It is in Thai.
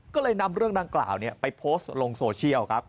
ก็เลยนำเรื่องดังกล่าวไปโพสต์ลงโซเชียลครับ